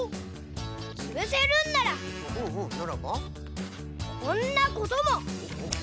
つぶせるんならこんなことも！